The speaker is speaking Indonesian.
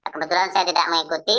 kebetulan saya tidak mengikuti